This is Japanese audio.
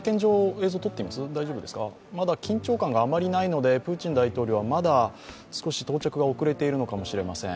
まだ緊張感があまりないので、プーチン大統領はまだ少し到着が遅れているのかもしれません。